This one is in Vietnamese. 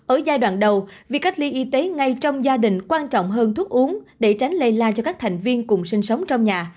ở giai đoạn đầu việc cách ly y tế ngay trong gia đình quan trọng hơn thuốc uống để tránh lây la cho các thành viên cùng sinh sống trong nhà